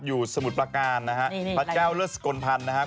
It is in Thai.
อยู่สมุดประการนะฮะพัดแก้วเลิศกลพันธ์นะครับ